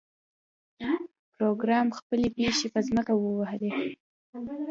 پروګرامر خپلې پښې په ځمکه ووهلې